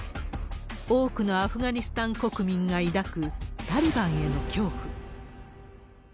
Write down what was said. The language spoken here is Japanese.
多くのアフガニスタン国民が抱くタリバンへの恐怖。